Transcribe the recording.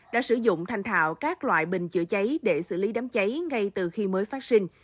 đã sử dụng thanh thạo các loại bình chữa cháy để xử lý đám cháy ngay từ khi mới phát sinh